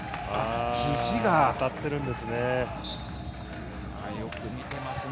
当たっているんですね。